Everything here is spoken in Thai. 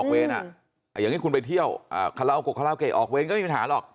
อย่างนี้ว่าคุณไปเที่ยวขระเก่อออกเวนก็ไม่เป็นปัญหาหรอก